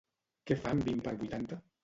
Què fan vint per vuitanta?